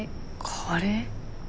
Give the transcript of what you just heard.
カレー？